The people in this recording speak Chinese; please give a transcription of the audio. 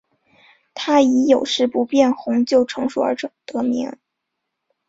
它以有时不变红就成熟而得名。